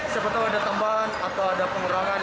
siapa tahu ada tambahan atau ada pengurangan